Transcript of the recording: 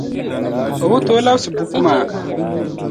O be tooi labsi buku maa.